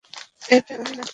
ওটা আমি না।